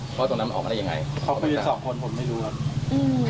เพราะตรงนั้นมันออกมาได้ยังไงเขาคุยกันสองคนผมไม่รู้ครับอืม